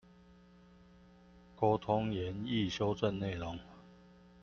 溝通研議修正內容